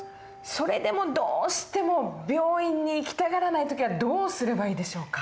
それでもどうしても病院に行きたがらない時はどうすればいいでしょうか？